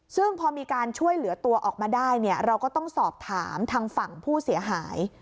ซึ่งพอมีการช่วยเหลือตัวออกมาได้เนี่ยเราก็ต้องสอบถามทางฝั่งผู้เสียหาย